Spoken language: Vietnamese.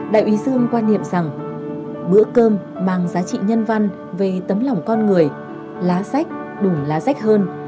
đại úy dương quan niệm rằng bữa cơm mang giá trị nhân văn về tấm lòng con người lá sách đủ lá rách hơn